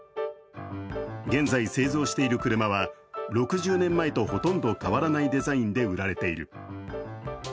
現在製造している車は６０年前とほとんど変わらないデザインで売られている。